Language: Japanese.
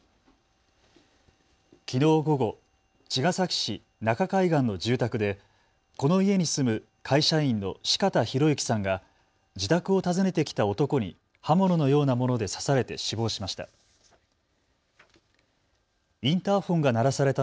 きのう午後、茅ヶ崎市中海岸の住宅で、この家に住む会社員の四方洋行さんが自宅を訪ねてきた男に刃物のようなもので刺されて死亡しました。